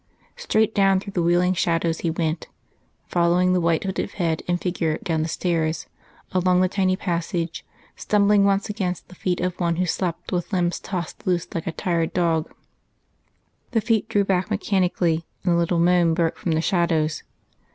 Straight down through the wheeling shadows he went, following the white hooded head and figure down the stairs, along the tiny passage, stumbling once against the feet of one who slept with limbs tossed loose like a tired dog; the feet drew back mechanically, and a little moan broke from the shadows.